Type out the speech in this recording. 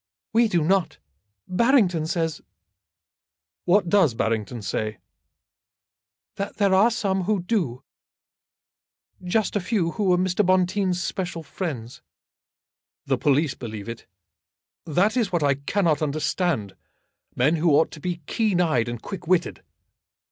"We do not. Barrington says " "What does Barrington say?" "That there are some who do; just a few, who were Mr. Bonteen's special friends." "The police believe it. That is what I cannot understand; men who ought to be keen eyed and quick witted.